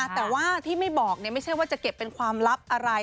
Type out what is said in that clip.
แต่ว่าที่ไม่บอกไม่ใช่ว่าจะเก็บเป็นความลับอะไร